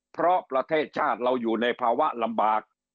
เพราะประเทศชาติเราอยู่ในภาวะลำบาก